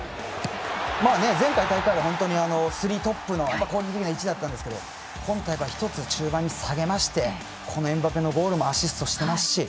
前回大会がスリートップの攻撃的な位置だったんですけど今大会、１つ中盤に下げましてこのエムバペのボールもアシストしてますし。